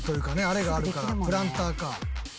あれがあるからプランターか。